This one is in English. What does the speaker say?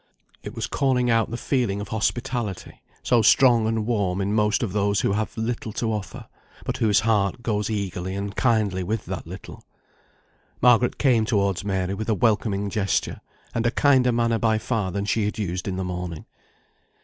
It was calling out the feeling of hospitality, so strong and warm in most of those who have little to offer, but whose heart goes eagerly and kindly with that little. Margaret came towards Mary with a welcoming gesture, and a kinder manner by far than she had used in the morning.